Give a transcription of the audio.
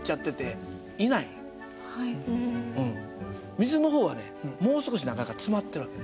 水の方はねもう少し中が詰まってる訳ね。